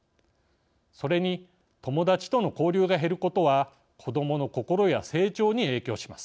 それに友達との交流が減ることは子どもの心や成長に影響します。